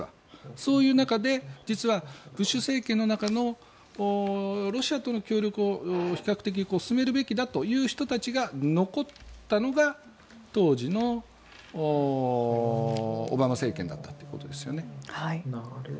そういう中で実はブッシュ政権の中のロシアとの協力を比較的進めるべきだという人たちが残ったのが当時のオバマ政権だったということですよね。